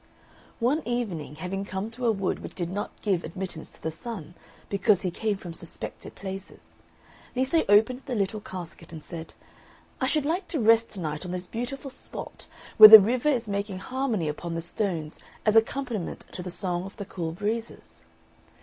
One evening, having come to a wood which did not give admittance to the Sun because he came from suspected places, Lise opened the little casket, and said, "I should like to rest to night on this beautiful spot, where the river is making harmony upon the stones as accompaniment to the song of the cool breezes."